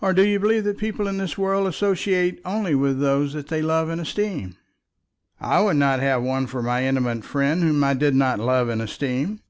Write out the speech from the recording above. Or do you believe that people in this world associate only with those they love and esteem?" "I would not have one for my intimate friend whom I did not love and esteem."